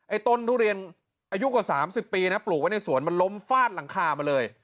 ต้นทุเรียนอายุกว่า๓๐ปีนะปลูกไว้ในสวนมันล้มฟาดหลังคามาเลย